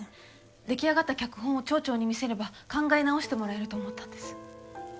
出来上がった脚本を町長に見せれば考え直してもらえると思ったんです。